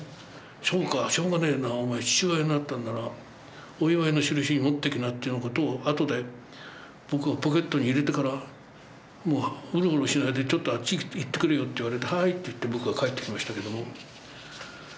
「そうかしょうがねえなお前父親になったんならお祝いのしるしに持ってきな」ってな事をあとで僕がポケットに入れてから「ウロウロしないでちょっとあっち行ってくれよ」って言われて「はい」って言って僕は帰ってきましたけども。